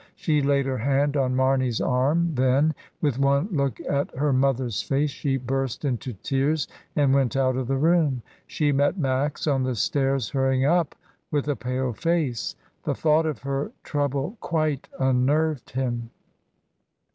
She laid her hand on Mame/s arm, then, with one look at her mother's face, she burst into tears, and went out of the room. She met Max on the stairs hurrying up with a pale face; the thought of her trouble quite unnerved him.